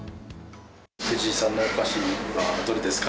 藤井さんのお菓子はどれですか？